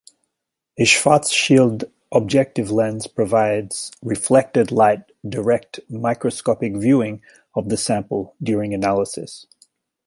A Schwarzschild objective lens provides reflected-light direct microscopic viewing of the sample during analysis.